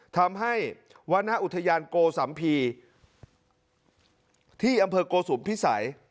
ทำให้วรรณอุทยานโกสัมภีร์ที่อำเภอโกสุมพิสัย